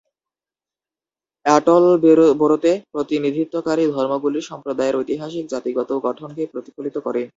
অ্যাটলবোরোতে প্রতিনিধিত্বকারী ধর্মগুলি সম্প্রদায়ের ঐতিহাসিক জাতিগত গঠনকে প্রতিফলিত করে।